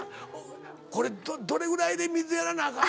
これどれぐらいで水やらなあかん？